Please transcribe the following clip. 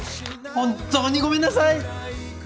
本当にごめんなさい！